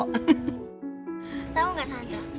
tau gak tante